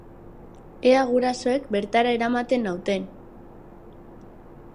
Ea gurasoek bertara eramaten nauten!